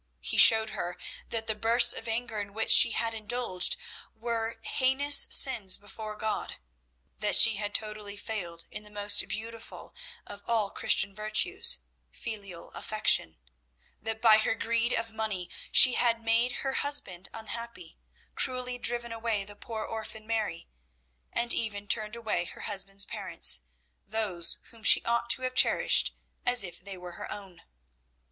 He showed her that the bursts of anger in which she had indulged were heinous sins before God, that she had totally failed in the most beautiful of all Christian virtues filial affection; that by her greed of money she had made her husband unhappy, cruelly driven away the poor orphan Mary, and even turned away her husband's parents, those whom she ought to have cherished as if they were her own.